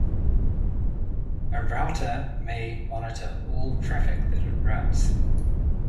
A router may monitor all traffic that it routes.